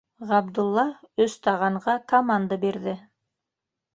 Ғабдулла «Өс таған»ға команда бирҙе: